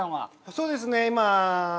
そうですね今。